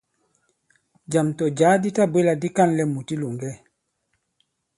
Jàm tɔ̀ jǎ di tabwě là di ka᷇nlɛ mùt i ilòŋgɛ.